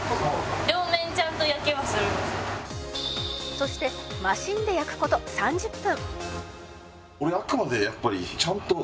「そしてマシンで焼く事３０分」